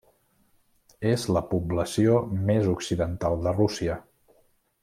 És la població més occidental de Rússia.